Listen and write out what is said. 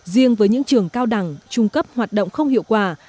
riêng với những trường cao đẳng trung cấp hoạt động không hiệu quả